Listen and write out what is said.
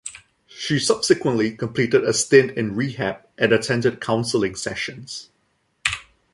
She subsequently completed a stint in rehab and attended counseling sessions.